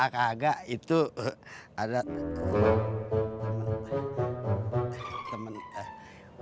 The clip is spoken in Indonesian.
kak aga itu ada temen temen